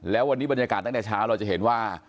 แล้ววันนี้บรรยากาศตั้งแต่เช้าเราจะเห็นว่า